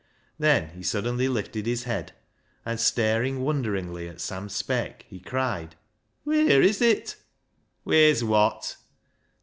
Then he suddenly lifted his head, and staring wonderingly at Sam Speck, he cried —" Wheer is it ?"" Wheer's wot